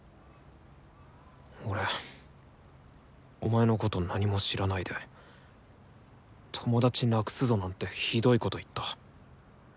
俺お前のこと何も知らないで「友達なくすぞ」なんてひどいこと言った。